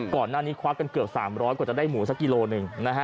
ก่อนหน้านี้ควักกันเกือบ๓๐๐กว่าจะได้หมูสักกิโลหนึ่งนะฮะ